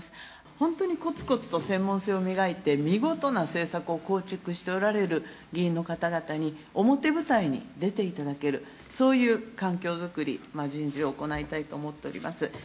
本当にこつこつと専門性を磨いて見事な政策を構築しておられる議員の方々に、表舞台に出ていただける、そういう環境作り、人事を行いたいと思っております。